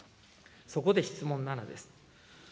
そこで質問７です。